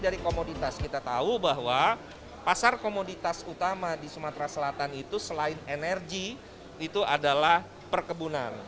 dari komoditas kita tahu bahwa pasar komoditas utama di sumatera selatan itu selain energi itu adalah perkebunan